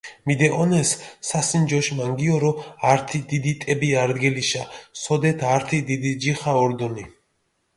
მიდეჸონეს სასინჯოშ მანგიორო ართი დიდი ტები არდგილიშა, სოდეთი ართი დიდი ჯიხა ორდჷნი.